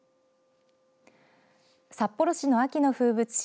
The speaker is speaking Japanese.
札幌市の秋の風物詩